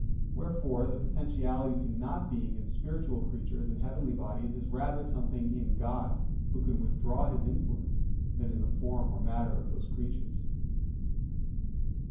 Wherefore the potentiality to not being in spiritual creatures and heavenly bodies is rather something in God, Who can withdraw His influence, than in the form or matter of those creatures.